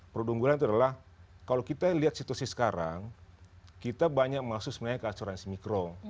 produk unggulan itu adalah kalau kita lihat situasi sekarang kita banyak masuk sebenarnya ke asuransi mikro